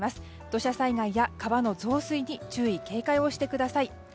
土砂災害や川の増水に注意・警戒をしてください。